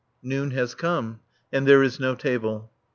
Noon has come; and there is no table.